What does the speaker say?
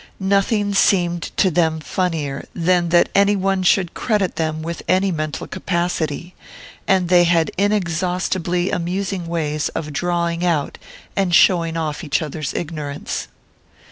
Nothing seemed to them funnier than that any one should credit them with any mental capacity; and they had inexhaustibly amusing ways of drawing out and showing off each other's ignorance.